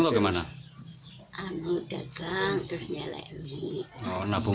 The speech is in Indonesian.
dagang jajanan kelaman keburuan keburuan